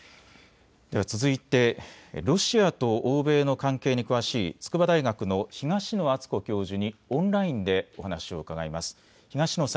続いてロシアと欧米の関係に詳しい筑波大学の東野篤子教授にオンラインでお話をうかがいます。